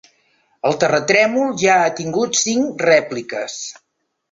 El terratrèmol ja ha tingut cinc rèpliques.